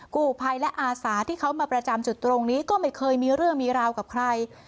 กู้ภัยและอาสาที่เขามาประจำจุดตรงนี้ก็ไม่เคยมีเรื่องมีราวกับใคร